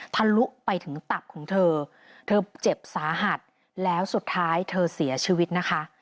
ทะลุไปถึงตับของเธอเธอเจ็บสาหัสแล้วสุดท้ายเธอเสียชีวิตนะคะ